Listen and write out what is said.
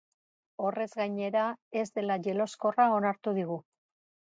Horrez gainera, ez dela jeloskorra onartu digu.